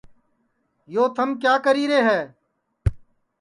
یو تھم کِیا کری ہے